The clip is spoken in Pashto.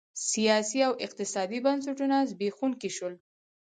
سیاسي او اقتصادي بنسټونه زبېښونکي شول.